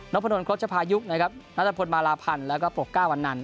น้องพนธนครบชภายุคนัตรพลมาราพันธ์แล้วก็ปกเก้าอนันท์